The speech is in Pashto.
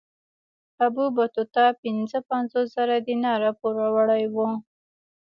ابن بطوطه پنځه پنځوس زره دیناره پوروړی وو.